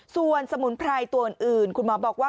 ส่วนสมุนไพรตัวอื่นคุณหมอบอกว่า